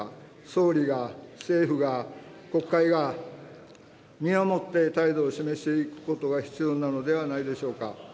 総理が、政府が、国会が、身をもって態度を示していくことが必要ではないでしょうか。